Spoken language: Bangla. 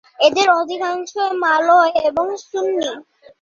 এদের অধিকাংশই মালয় এবং সুন্নি।